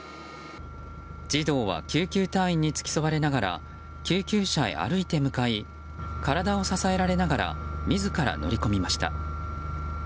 児童は救急隊員に付き添われながら救急車へ歩いて向かい体を支えられながら自ら乗り込みました。